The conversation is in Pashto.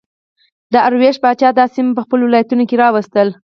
داریوش پاچا دا سیمه په خپلو ولایتونو کې راوستله